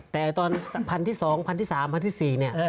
แต่ตอนพันธุ์ที่สองพันธุ์ที่สามพันธุ์ที่สี่เนี่ย